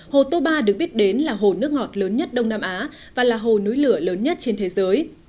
hồ toba được biết đến là hồ nước ngọt lớn nhất đông nam á và là hồ núi lửa lớn nhất trên thế giới